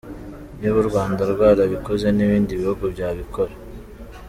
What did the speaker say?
Niba u Rwanda rwarabikoze n’ibindi bihugu byabikora.